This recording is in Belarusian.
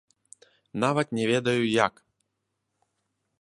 Нават не ведаю як.